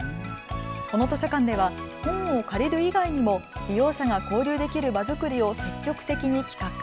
この図書館では本を借りる以外にも利用者が交流できる場作りを積極的に企画。